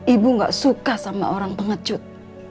ibu gak suka sama orang pengecut